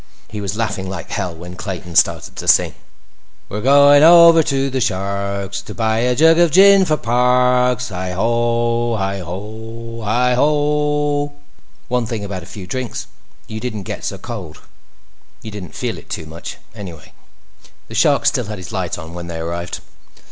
He was laughing like hell when Clayton started to sing. "We're going over to the Shark's To buy a jug of gin for Parks! Hi ho, hi ho, hi ho!" One thing about a few drinks; you didn't get so cold. You didn't feel it too much, anyway. The Shark still had his light on when they arrived.